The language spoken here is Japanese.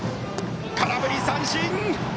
空振り三振。